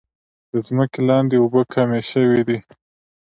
د ځمکې لاندې اوبه کمې شوي دي.